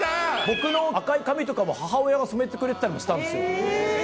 僕の赤い髪とかも母親が染めてくれてたりもしたんですよ。